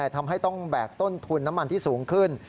ทำให้ต้องแบกต้นทุนน้ำมันที่สูงขึ้น